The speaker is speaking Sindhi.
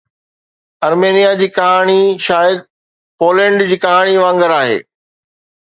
آرمينيا جي ڪهاڻي شايد پولينڊ جي ڪهاڻي وانگر آهي